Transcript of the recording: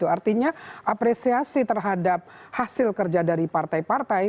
artinya apresiasi terhadap hasil kerja dari partai partai